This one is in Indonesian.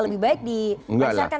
lebih baik diakseskan